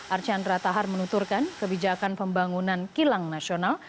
archandra tahar menuturkan kebijakan pembangunan kilang nasional